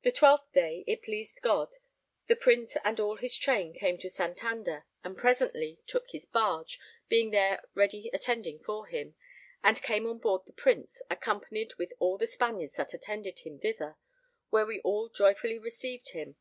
The 12th day, it pleased God, the Prince and all his train came to Santander and presently took his barge, being there ready attending for him, and came on board the Prince, accompanied with all the Spaniards that attended him thither, where we all joyfully received him.